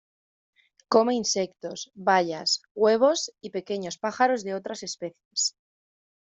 Come insectos, bayas, huevos y pequeños pájaros de otras especies.